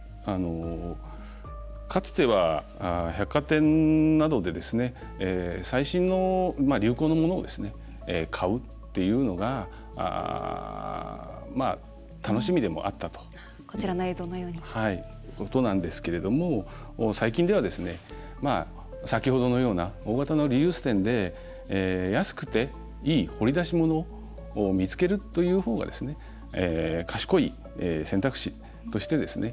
かつては百貨店などで最新の流行のものを買うっていうのが楽しみでもあったということなんですけども最近では先ほどのような大型のリユース店で安くて、いい掘り出し物を見つけるという方が賢い選択肢としてですね